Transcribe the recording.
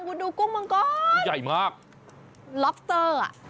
คุณดูกุ้งมังกรใหญ่มากล็อปเตอร์อ่ะ